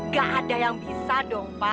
gak ada yang bisa dong pak